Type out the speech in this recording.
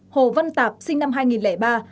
hồ văn tạp sinh năm hai nghìn ba